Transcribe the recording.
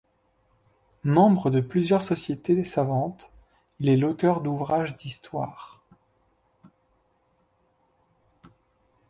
Membre de plusieurs sociétés savantes, il est l'auteur d'ouvrages d'histoire.